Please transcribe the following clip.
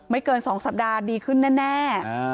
เกิน๒สัปดาห์ดีขึ้นแน่